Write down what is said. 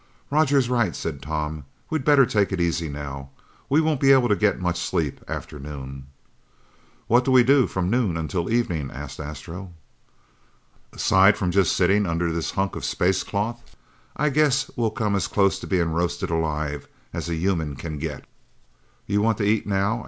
"Roger's right," said Tom. "We'd better take it easy now. We won't be able to get much sleep after noon." "What do we do from noon until evening?" asked Astro. "Aside from just sitting under this hunk of space cloth, I guess we'll come as close to being roasted alive as a human can get." "You want to eat now?"